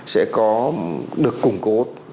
sẽ có được củng cố